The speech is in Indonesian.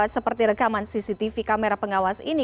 seperti rekaman cctv kamera pengawas ini